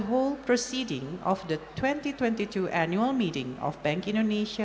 seluruh prosedur pertemuan tahunan bank indonesia dua ribu dua puluh dua